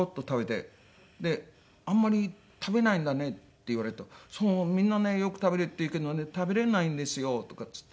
「あんまり食べないんだね」って言われると「そう。みんなねよく食べるって言うけどね食べれないんですよ」とかっつって。